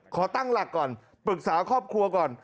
ขอตั้งหลักก่อนปรึกษาครอบครัวก่อน